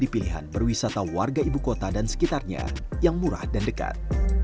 pilihan berwisata warga ibu kota dan sekitarnya yang murah dan dekat